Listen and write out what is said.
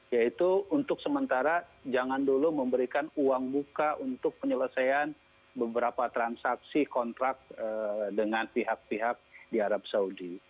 yaitu untuk sementara jangan dulu memberikan uang buka untuk penyelesaian beberapa transaksi kontrak dengan pihak pihak di arab saudi